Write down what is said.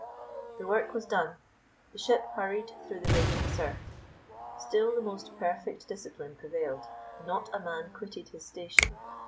The work was done; the ship hurried through the raging surf. Still the most perfect discipline prevailed; not a man quitted his station.